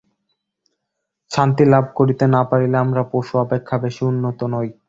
শান্তি লাভ করিতে না পারিলে আমরা পশু অপেক্ষা বেশী উন্নত নই।